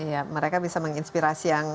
ya mereka bisa menginspirasi yang